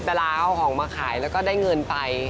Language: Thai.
เวลาเอาของมาขายแล้วก็ได้เงินไป